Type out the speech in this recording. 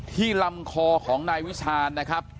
ลำคอของนายวิชาญนะครับ